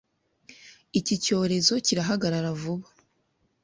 Iki cyorezo kirahagarara vuba